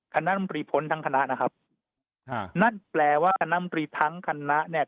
คณะมตรีพ้นทั้งคณะนะครับนั่นแปลว่าคณะมตรีทั้งคณะเนี่ย